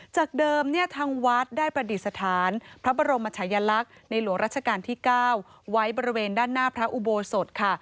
จากเดิมเนี่ยทางวัดได้ประดิษฐานพระบรมชายลักษณ์ในหลวงราชการที่๙ไว้บริเวณด้านหน้าพระอุโบสถค่ะ